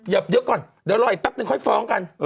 เดี๋ยวก่อนเดี๋ยวรออีกแป๊บนึงค่อยฟ้องกัน